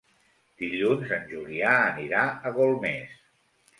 Dilluns en Julià anirà a Golmés.